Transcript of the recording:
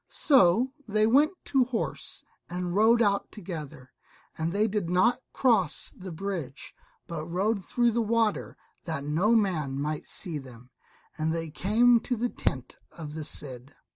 So they went to horse and rode out together, and they did not cross the bridge, but rode through the water that no man might see them, and they came to the tent of the Cid.